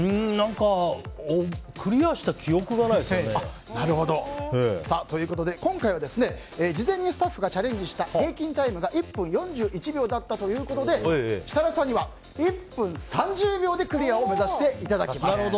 クリアした記憶がないですよね。ということで、今回は事前にスタッフがチャレンジした平均タイムが１分４１秒だったということで設楽さんには１分３０秒でクリアを目指していただきます。